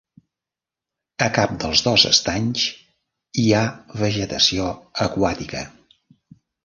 A cap dels dos estanys hi ha vegetació aquàtica.